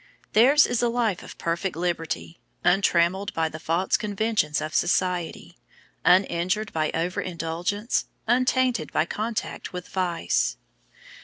Theirs is a life of perfect liberty, untrammelled by the false conventions of society, uninjured by over indulgence, untainted by contact with vice.